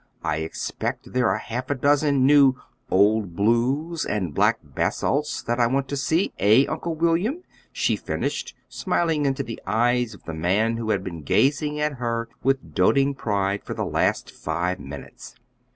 I expect there are half a dozen new 'Old Blues' and black basalts that I want to see; eh, Uncle William?" she finished, smiling into the eyes of the man who had been gazing at her with doting pride for the last five minutes.